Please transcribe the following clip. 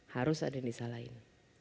harus ada yang disalahin